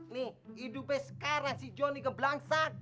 nih hidupnya sekarang si jonny keblangsa